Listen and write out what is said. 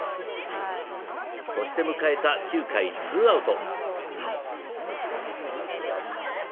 そして向かえた９回ツーアウト。